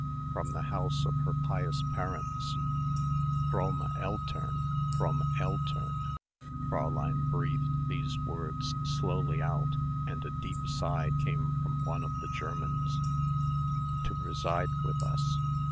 from the house of her pious parents, fromme Eltern, fromme Eltern." Fräulein breathed these words slowly out and a deep sigh came from one of the Germans, "to reside with us.